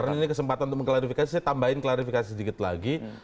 karena ini kesempatan untuk mengklarifikasi saya tambahin klarifikasi sedikit lagi